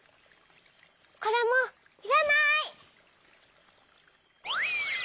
これもいらない。